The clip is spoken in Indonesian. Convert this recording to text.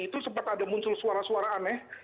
itu sempat ada muncul suara suara aneh